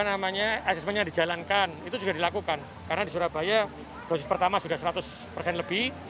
namanya asesmennya dijalankan itu sudah dilakukan karena di surabaya dosis pertama sudah seratus lebih